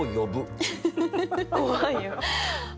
怖いよ。